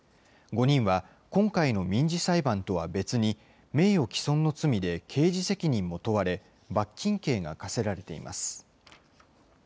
５人は今回の民事裁判とは別に、名誉毀損の罪で刑事責任も問われ、罰金刑が科せられています。